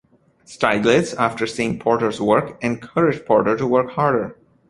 Stieglitz, after seeing Porter's work, encouraged Porter to work harder.